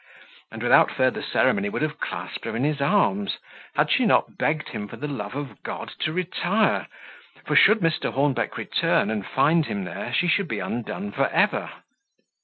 and without further ceremony would have clasped her in his arms, had she not begged him for the love of God to retire; for should Mr. Hornbeck return and find him there, she would be undone for ever.